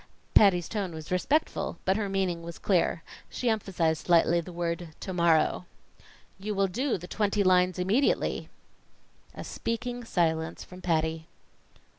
Patty's tone was respectful, but her meaning was clear. She emphasized slightly the word "to morrow." "You will do the twenty lines immediately." A speaking silence from Patty.